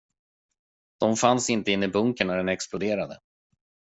De fanns inte inne i bunkern när den exploderade.